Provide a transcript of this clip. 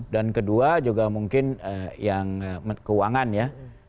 dan kedua juga mungkin yang keuangan ya